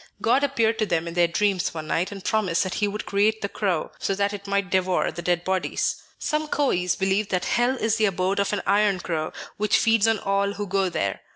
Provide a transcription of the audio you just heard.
God appeared to them in their dreams one night, and promised that he would create the crow, so that it might devour the dead bodies. Some Koyis believe that hell is the abode of an iron crow, which feeds on all who go there.